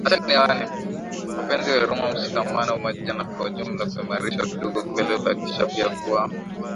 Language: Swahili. mapenzi huruma mshikamano umoja na kwa ujumla kuimarisha udugu wa kweli Kuhakikisha pia kuwa